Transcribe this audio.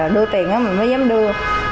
đưa tiền á mình mới dám đưa